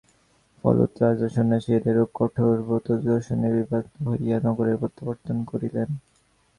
ফলতঃ রাজা সন্ন্যাসীর এইরূপ কঠোর ব্রত দর্শনে বিস্ময়াপন্ন হইয়া নগরে প্রত্যাবর্তন করিলেন।